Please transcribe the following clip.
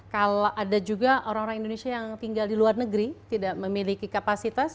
kalau ada juga orang orang indonesia yang tinggal di luar negeri tidak memiliki kapasitas